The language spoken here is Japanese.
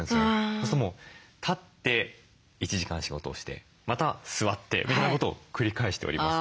そうすると立って１時間仕事をしてまた座ってみたいなことを繰り返しております。